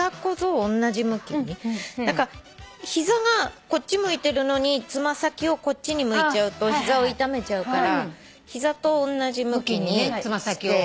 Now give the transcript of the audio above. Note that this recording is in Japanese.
膝がこっち向いてるのに爪先をこっちに向いちゃうと膝を痛めちゃうから膝とおんなじ向きにして。